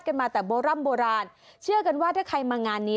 มาแต่โบร่ำโบราณเชื่อกันว่าถ้าใครมางานนี้